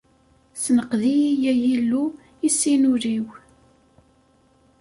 Ssenqed-iyi, ay Illu, issin ul-iw!